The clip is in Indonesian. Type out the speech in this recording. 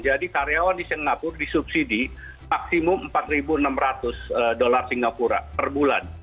jadi karyawan di singapura disubsidi maksimum empat enam ratus dollar singapura per bulan